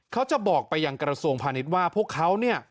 เขาจะบอกไปยังกระทรวงพาณิชย์ว่าพวกเขาเนี่ย